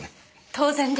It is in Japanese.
当然です。